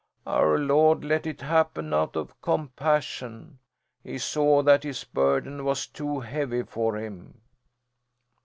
"Our Lord let it happen out of compassion. He saw that his burden was too heavy for him."